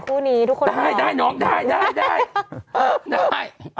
คู่นี้ทุกคนมองได้น้องได้